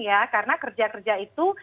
ya karena kerja kerja itu